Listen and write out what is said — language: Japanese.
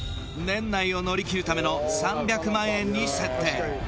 年内を乗り切るための３００万円に設定